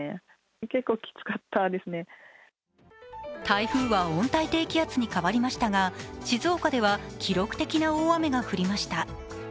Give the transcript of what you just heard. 台風は温帯低気圧に変わりましたが静岡では記録的な大雨が降りました。